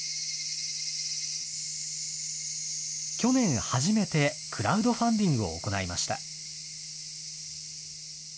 去年、初めてクラウドファンディングを行いました。